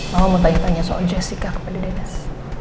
mama mau tanya tanya soal jessica kepada dinas